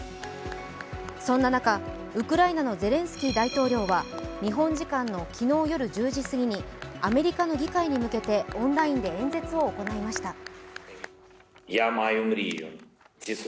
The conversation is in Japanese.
そんな中、ウクライナのゼレンスキー大統領は日本時間の昨日夜１０時すぎにアメリカの議会に向けてオンラインで演説を行いました。